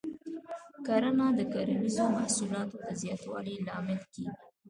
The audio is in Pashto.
کرنه د کرنیزو محصولاتو د زیاتوالي لامل کېږي.